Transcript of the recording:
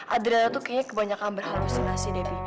adriana tuh kayaknya kebanyakan berhalusinasi debi